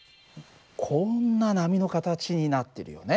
こんな波の形になってるよね。